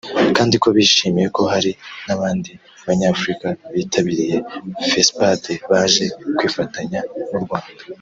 kandi ko bishimiye ko hari n’abandi Banyafurika bitabiriye Fespad baje kwifatanya n’u Rwanda